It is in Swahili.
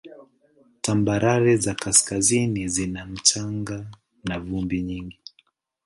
Tambarare za kaskazini zina mchanga na vumbi nyingi.